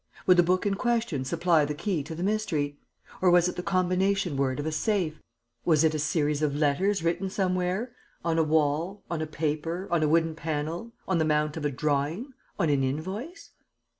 Would the book in question supply the key to the mystery? Or was it the combination word of a safe? Was it a series of letters written somewhere: on a wall, on a paper, on a wooden panel, on the mount of a drawing, on an invoice?